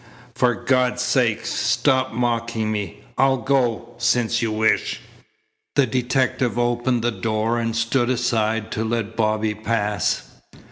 "For God's sake, stop mocking me. I'll go, since you wish." The detective opened the door and stood aside to let Bobby pass.